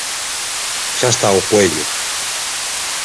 Xa está o coello